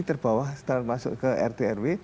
terbawah setelah masuk ke rtrw